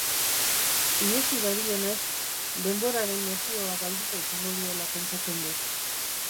Ihesi dabilenez, denboraren nozioa galduta izango duela pentsatzen dut.